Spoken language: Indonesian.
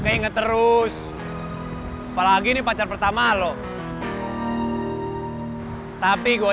inget terus apalagi nih pacar pertama lo tapi gua yakin